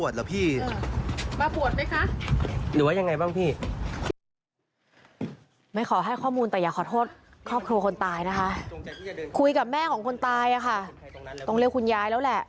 ตรงเรียกคุณยายไหล่ว่าแหล่ะ